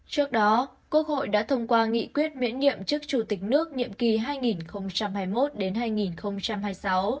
trước đó quốc hội đã thông qua nghị quyết miễn nhiệm chức chủ tịch nước nhiệm kỳ hai nghìn hai mươi một hai nghìn hai mươi sáu